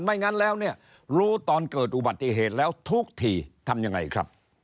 ไม่งั้นแล้วเนี่ยรู้ตอนเกิดอุบัติเหตุแล้วทุกทีทำยังไงครับ